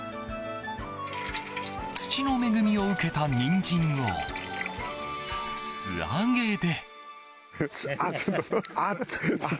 土の恵みを受けたニンジンを素揚げで。